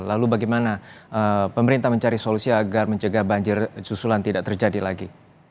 lalu bagaimana pemerintah mencari solusi agar mencegah banjir susulan tidak terjadi lagi